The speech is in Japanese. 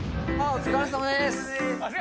お疲れさまです。